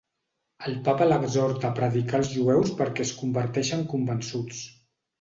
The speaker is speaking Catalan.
El papa l'exhorta a predicar als jueus perquè es converteixen convençuts.